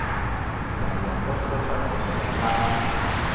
人人都睇得出你想點啦